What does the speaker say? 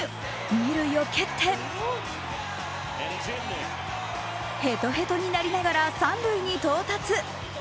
二塁を蹴ってへとへとになりながら、三塁に到達。